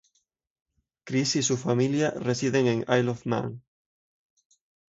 Chris y su familia residen en Isle of Man.